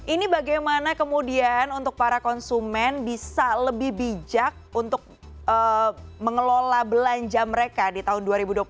ini bagaimana kemudian untuk para konsumen bisa lebih bijak untuk mengelola belanja mereka di tahun dua ribu dua puluh satu